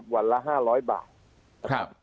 วันละ๕๐๐บาท